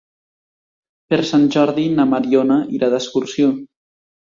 Per Sant Jordi na Mariona irà d'excursió.